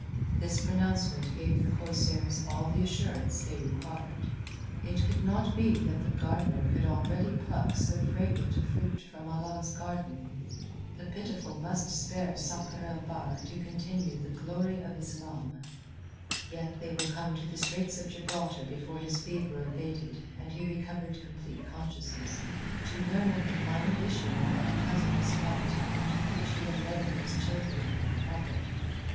This pronouncement gave the corsairs all the assurance they required. It could not be that the Gardener could already pluck so fragrant a fruit from Allah's garden. The Pitiful must spare Sakr el Bahr to continue the glory of Islam. Yet they were come to the straits of Gibraltar before his fever abated and he recovered complete consciousness, to learn of the final issue of that hazardous fight into which he had led those children of the Prophet.